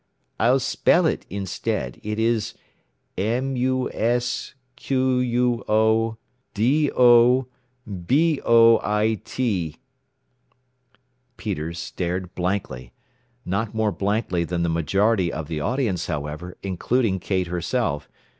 "I'll spell it instead. It is, "'M U S Q U O D O B O I T.'" Peters stared blankly. Not more blankly than the majority of the audience, however, including Kate herself.